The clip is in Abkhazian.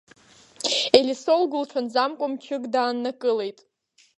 Елисо лгәылҽанӡамкәа мчык дааннакылеит.